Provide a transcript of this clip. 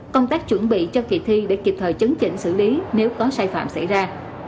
công tác chuẩn bị cho kỳ thi để kịp thời chấn chỉnh xử lý nếu có sai phạm xảy ra